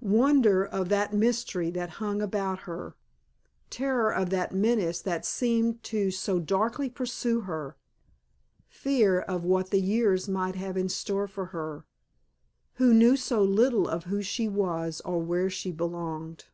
Wonder of that mystery that hung about her; terror of that menace that seemed to so darkly pursue her; fear of what the years might have in store for her, who knew so little of who she was or where she belonged.